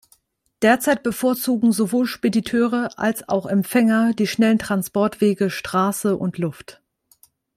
Derzeit bevorzugen sowohl Spediteure als auch Empfänger die schnellen Transportwege Straße und Luft.